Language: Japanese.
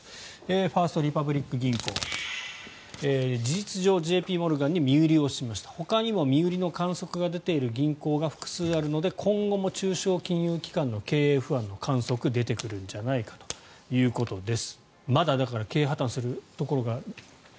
ファースト・リパブリック銀行事実上、ＪＰモルガンに身売りをしましたほかにも身売りの観測が出ている銀行が複数あるので今後も中小金融機関の経営不安の観測出てくるんじゃないかということです。